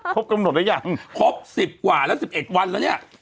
ครบกันหมดได้ยังครบสิบกว่าแล้วสิบเอ็ดวันแล้วเนี้ย